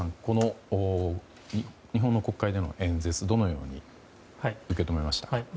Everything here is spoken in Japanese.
この日本の国会での演説どのように受け止めましたか？